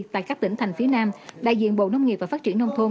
tại các tỉnh thành phía nam đại diện bộ nông nghiệp và phát triển nông thôn